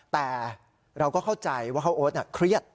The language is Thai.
แต่เราก็เข้าใจว่าข้าวโอ๊ตเนี่ยเครียด